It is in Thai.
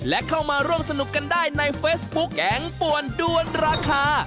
และเข้ามาร่วมสนุกกันได้ในเฟซบุ๊คแกงป่วนด้วนราคา